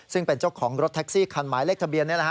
ซึ่งเป็นเจ้าของรถแท็กซี่คันหมายเลขทะเบียน